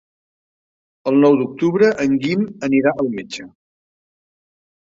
El nou d'octubre en Guim anirà al metge.